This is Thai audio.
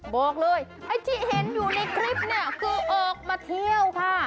บอกเลยไอ้ที่เห็นอยู่ในคลิปเนี่ยคือออกมาเที่ยวค่ะ